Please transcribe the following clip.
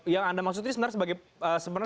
yang anda maksud ini sebenarnya seperti apa